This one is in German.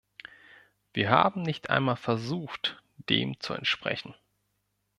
Wir haben nicht einmal versucht, dem zu entsprechen.